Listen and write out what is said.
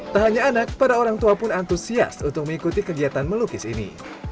tak hanya anak para orang tua pun antusias untuk mengikuti kegiatan melukis ini